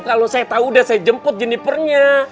kalau saya tahu deh saya jemput jenipernya